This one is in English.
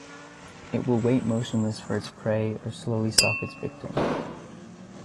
It will wait motionless for its prey, or slowly stalk its victim.